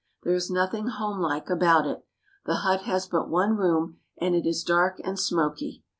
There is nothing homelike about it. The hut has but one room, and it is dark and smoky.